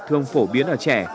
thường phổ biến ở trẻ